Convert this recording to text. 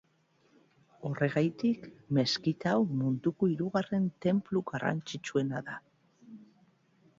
Horregatik, meskita hau munduko hirugarren tenplu garrantzitsuena da.